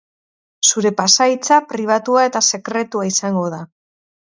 Zure pasahitza pribatua eta sekretua izango da.